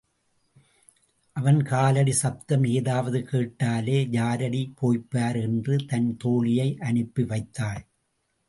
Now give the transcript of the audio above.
அவன் காலடி சப்தம் ஏதாவது கேட்டாலே யாரடி போய்ப்பார் என்று தன் தோழியை அனுப்பிவைத்தாள்.